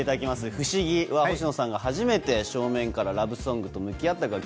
不思議は、星野さんが初めて正面からラブソングと向き合った楽曲。